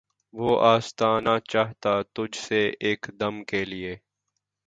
وہ آستاں نہ چھٹا تجھ سے ایک دم کے لیے